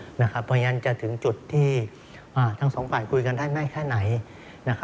เพราะฉะนั้นจะถึงจุดที่ทั้งสองฝ่ายคุยกันได้มากแค่ไหน